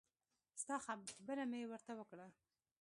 ستا خبره مې ورته وکړه.